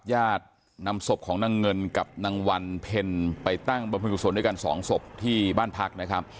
ญาตินำศพของนางเงินกับนางวันเพ็ญไปตั้งบรรพิกุศลด้วยกันสองศพที่บ้านพักนะครับ